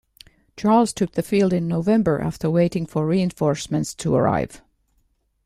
Charles took the field in November after waiting for reinforcements to arrive.